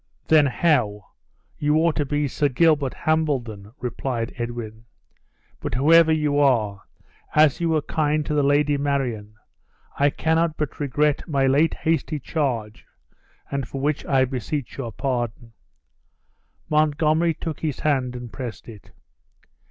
"Then how? you ought to be Sir Gilbert Hambledon?" replied Edwin; "but whoever you are, as you were kind to the Lady Marion, I cannot but regret my late hasty charge; and for which I beseech your pardon." Montgomery took his hand, and pressed it.